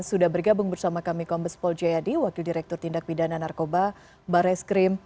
sudah bergabung bersama kami kombes paul jayadi wakil direktur tindak bidana narkoba barreskrim